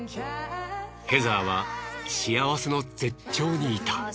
ヘザーは幸せの絶頂にいた。